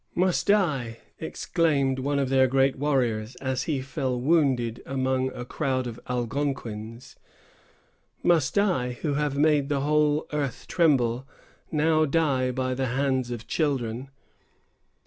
"Must I," exclaimed one of their great warriors, as he fell wounded among a crowd of Algonquins,——"must I, who have made the whole earth tremble, now die by the hands of children?"